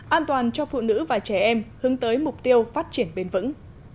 an toàn cho phụ nữ và trẻ em hướng tới mục tiêu phát triển bền vững